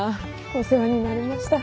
お世話になりました。